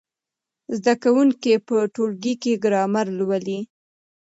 زده کوونکي په ټولګي کې ګرامر لولي.